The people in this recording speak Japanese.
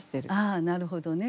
あなるほどね。